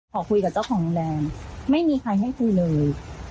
ขอคุยกับเจ้าของโรงแรมไม่มีใครให้คุยเลย